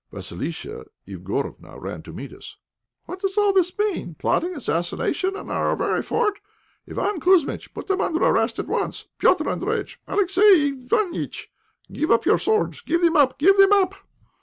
Vassilissa Igorofna ran to meet us. "What does all this mean? Plotting assassination in our very fort! Iván Kouzmitch, put them under arrest at once. Petr' Andréjïtch, Alexey Iványtch, give up your swords, give them up give them up.